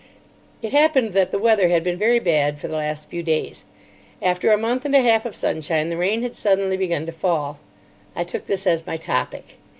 It happened that the weather had been very bad for the last few days. After a month and a half of sunshine the rain had suddenly begun to fall. I took this as my topic.